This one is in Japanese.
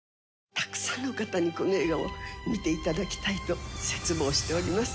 たくさんの方にこの映画を見て頂きたいと切望しております。